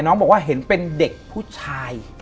น้องบอกว่าเห็นเป็นเด็กผู้ชาย